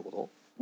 何？